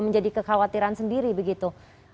menjadi kekhawatiran sendiri begitu